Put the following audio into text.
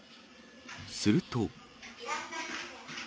すると。